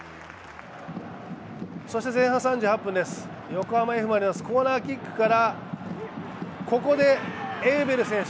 そして前半３８分です、横浜Ｆ・マリノス、コーナーキックからここでエウベル選手。